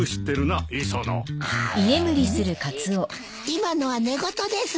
今のは寝言です。